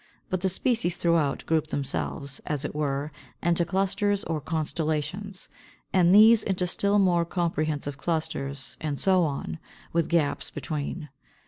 But the species throughout group themselves, as it were, into clusters or constellations, and these into still more comprehensive clusters, and so on, with gaps between.